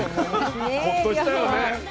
ホッとしたよね。